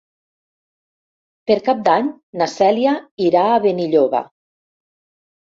Per Cap d'Any na Cèlia irà a Benilloba.